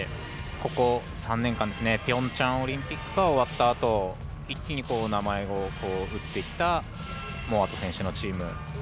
ここ３年間ピョンチャンオリンピックが終わったあと一気に名前をうってきたモアト選手のチーム。